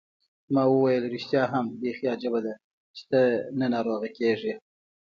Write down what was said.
ما وویل: ریښتیا هم، بیخي عجبه ده، چي ته نه ناروغه کېږې.